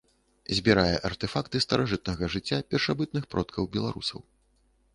Збірае артэфакты старажытнага жыцця першабытных продкаў беларусаў.